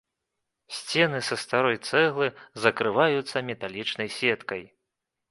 Сцены са старой цэглы закрываюцца металічнай сеткай.